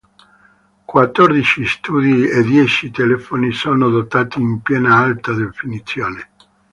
Quattordici studi e dieci telefoni sono dotati in piena alta definizione.